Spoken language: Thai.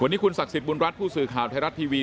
วันนี้คุณศักดิ์สิทธิบุญรัฐผู้สื่อข่าวไทยรัฐทีวี